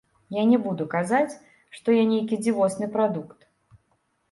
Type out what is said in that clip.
Я не буду казаць, што я нейкі дзівосны прадукт.